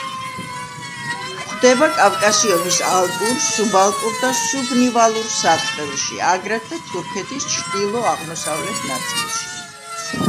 გვხვდება კავკასიონის ალპურ, სუბალპურ და სუბნივალურ სარტყელში, აგრეთვე თურქეთის ჩრდილო-აღმოსავლეთ ნაწილში.